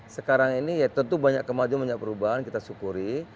sekarang ini ya tentu banyak kemajuan banyak perubahan kita syukuri